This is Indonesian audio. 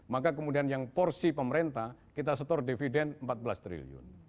maka kemudian yang porsi pemerintah kita setor dividen empat belas triliun